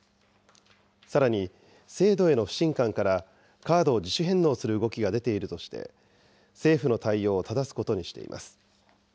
さらに、制度への不信感から、カードを自主返納する動きが出ているとして、政府の対応をただすことにしています。